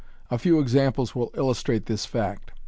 A few examples will illustrate this fact.